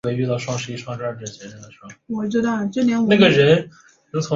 毕业于中央党校政治经济学专业。